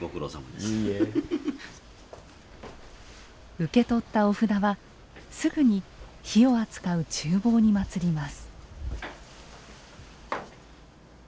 受け取ったお札はすぐに火を扱う厨房に祀ります。